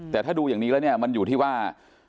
แต่ถ้าดูอย่างนี้แล้วเนี่ยมันอยู่ที่ว่า